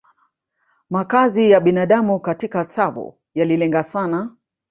Makazi ya binadamu katika Tsavo yalilenga sana